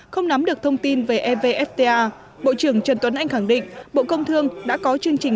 không nắm được thông tin về evfta bộ trưởng trần tuấn anh khẳng định bộ công thương đã có chương trình